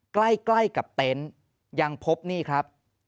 ใกล้กับเต็นต์ยังพบนี่ครับ